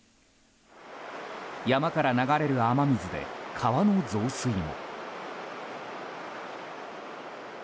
山から流れる雨水で川の増水も。